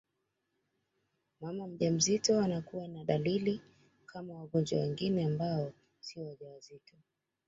Mama mjamzito anakuwa na dalili kama wagonjwa wengine ambao siyo wajawazito